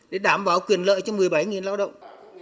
để đảm bảo quyền lợi cho một mươi bảy lao động